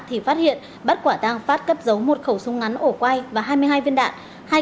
thì phát hiện bắt quả tăng pháp cấp dấu một khẩu súng ngắn ổ quay và hai mươi hai viên đạn